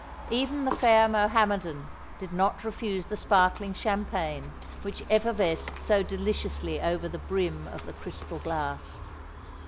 Even the fair Mohammedan did not refuse the sparkling champagne which effervesced so deliciously over the brim of the crystal glass.